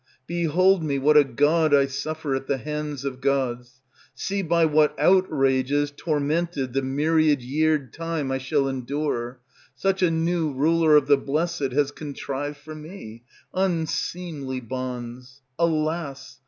Behold me what a god I suffer at the hands of gods. See by what outrages Tormented the myriad yeared Time I shall endure; such the new Ruler of the blessed has contrived for me, Unseemly bonds. Alas!